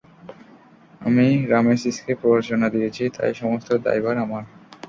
আমি রামেসিসকে প্ররোচনা দিয়েছি, তাই সমস্ত দায়ভার আমার।